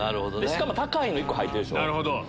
しかも高いの１個入ってるでしょ。